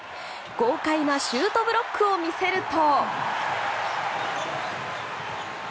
豪快なシュートブロックを見せると。